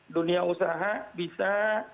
dunia usaha bisa